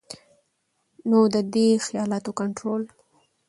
نو د دې خيالاتو کنټرول